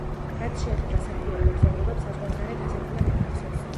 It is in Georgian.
რაც შეეხება „საქმიან მოგზაურობებს საზღვარგარეთ“, ასეთი რამ არ ახსოვს.